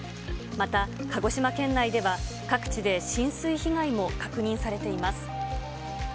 また、鹿児島県内では各地で浸水被害も確認されています。